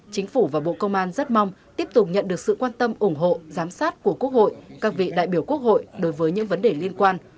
chính phủ và bộ công an rất mong tiếp tục nhận được sự quan tâm ủng hộ giám sát của quốc hội các vị đại biểu quốc hội đối với những vấn đề liên quan